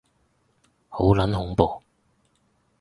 好撚恐怖